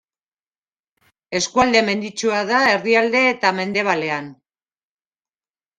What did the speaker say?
Eskualde menditsua da erdialde eta mendebalean.